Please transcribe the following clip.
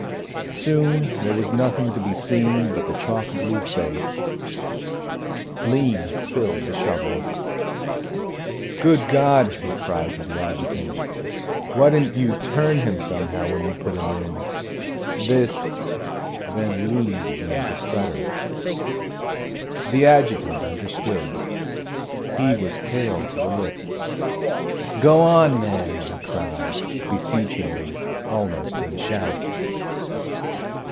Soon there was nothing to be seen but the chalk blue face. Lean filled the shovel. "Good God," he cried to the adjutant. "Why didn't you turn him somehow when you put him in? This " Then Lean began to stutter. The adjutant understood. He was pale to the lips. "Go on, man," he cried, beseechingly, almost in a shout.